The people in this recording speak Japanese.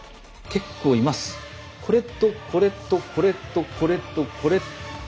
これとこれとこれとこれとこれ。